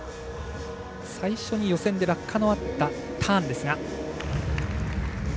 最初に予選で落下のあったターンですが。